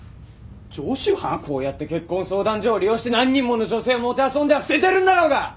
こうやって結婚相談所を利用して何人もの女性をもてあそんでは捨ててるんだろうが！